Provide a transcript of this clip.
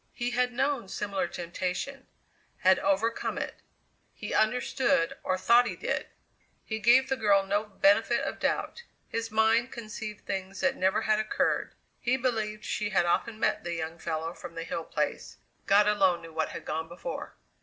He had known similar temptation; had overcome it. He understood, or thought he did! He gave the girl no benefit of doubt; his mind conceived things that never had occurred. He believed she had often met the young fellow from the Hill Place. God alone knew what had gone before!